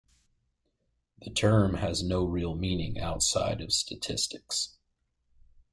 The term has no real meaning outside of statistics.